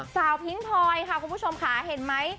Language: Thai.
พิ้งพลอยค่ะคุณผู้ชมค่ะเห็นไหม